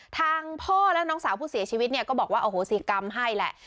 ทางพ่อและน้องสาวผู้เสียชีวิตเนี่ยก็บอกว่าอโหสิกรรมให้แหละ